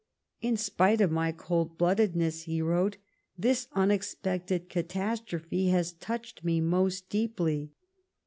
In spite of my coldbloodedness," he wrote, " this unex pected catastrophe has touched me most deeply."